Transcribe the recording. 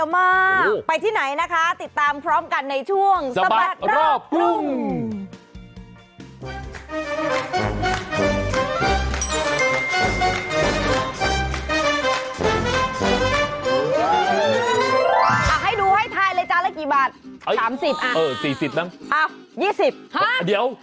๓๐บาทอ่ะเออ๔๐บาทนั้นอ่ะ๒๐บาทฮะเดี๋ยว